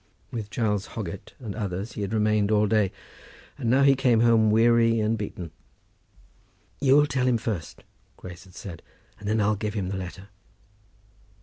With Giles Hoggett and others he had remained all the day, and now he came home weary and beaten. "You'll tell him first," Grace had said, "and then I'll give him the letter."